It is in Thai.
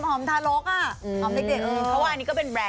อ๋อหอมทารกอ่ะ